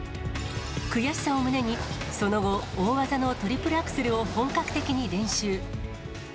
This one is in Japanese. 悔しさを胸に、その後、大技のトリプルアクセルを本格的に練習。